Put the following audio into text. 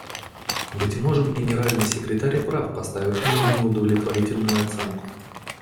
Быть может, Генеральный секретарь и прав, поставив мне неудовлетворительную оценку.